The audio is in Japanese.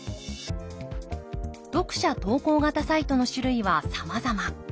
読者投稿型サイトの種類はさまざま。